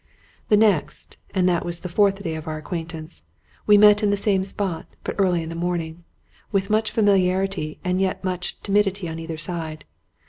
The next, and that was the fourth day of our acquaint ance, we met in the same spot, but early in the morning, with much familiarity and yet much timidity on either side.